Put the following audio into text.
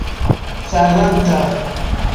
faranta